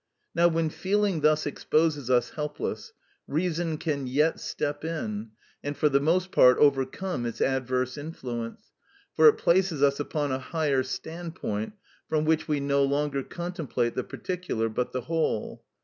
Now when feeling thus exposes us helpless, reason can yet step in and for the most part overcome its adverse influence, for it places us upon a higher standpoint, from which we no longer contemplate the particular but the whole.